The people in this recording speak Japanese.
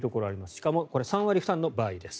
しかも３割負担の場合です。